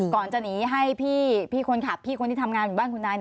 ก่อนจะหนีให้พี่คนขับพี่คนที่ทำงานอยู่บ้านคุณนาย